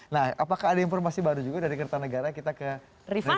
nah apakah ada informasi baru juga dari kertanegara kita ke refli